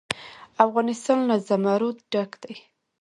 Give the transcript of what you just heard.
افغانستان له زمرد ډک دی.